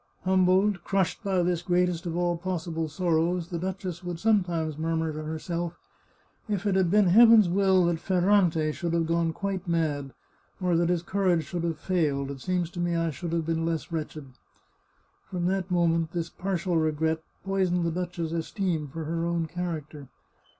Humbled, crushed, by this greatest of all pos sible sorrows, the duchess would sometimes murmur to her self, " If it had been Heaven's will that Ferrante should have gone quite mad, or that his courage should have failed, it seems to me I should have been less wretched." From that moment, this partial regret poisoned the duchess's esteem for her own character.